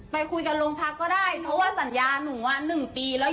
ไม่ชอบเด็กที่ไม่เรียนหนังสือไม่อะไร